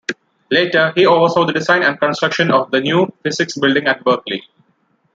Later, he oversaw the design and construction of the "new" physics building at Berkeley.